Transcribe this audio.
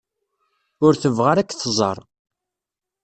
Ur tebɣa ara ad k-tẓer.